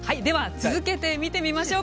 続けて見てみましょう。